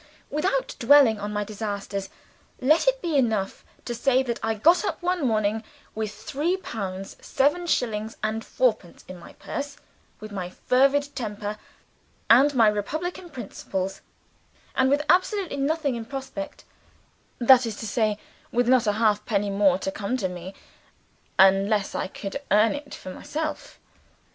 Without dwelling on my disasters, let it be enough to say that I got up one morning, with three pounds, seven shillings, and fourpence in my purse; with my fervid temper, and my republican principles and with absolutely nothing in prospect, that is to say with not a halfpenny more to come to me, unless I could earn it for myself.